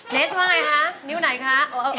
เนสว่าอย่างไรคะนิ้วไหนคะ